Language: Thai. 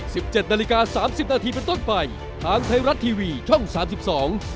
สิบเจ็ดนาฬิกาสามสิบนาทีเป็นต้นไปทางไทยรัฐทีวีช่องสามสิบสอง